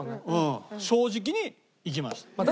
正直にいきました。